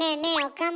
岡村。